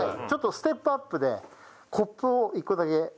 ちょっとステップアップでコップを１個だけ。